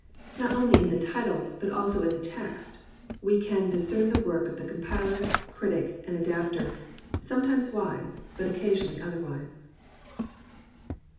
Not only in the titles, but also in the text, we can dis cern the work of the compiler, critic, and adapter, sometimes wise, but occasionally otherwise.